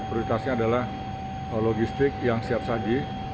prioritasnya adalah logistik yang siap saji